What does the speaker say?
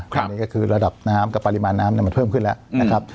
ตอนนี้ก็คือระดับน้ำกับปริมาณน้ำมันเพิ่มขึ้นแล้วนะครับ